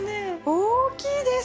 大きいです！